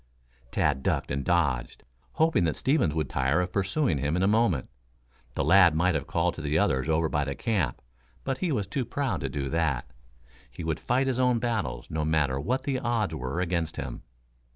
Tad ducked and dodged, hoping that Stevens would tire of pursuing him in a moment. The lad might have called to the others over by the camp, but he was too proud to do that. He would fight his own battles, no matter what the odds were against him.